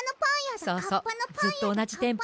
そうそうずっとおなじテンポで。